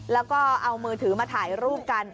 แล้วก็เอามือถือมาถ่ายรูปกัน